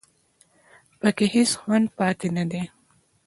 په کې هېڅ خوند پاتې نه دی